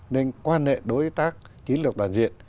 lên quan hệ đối tác chiến lược đoàn diện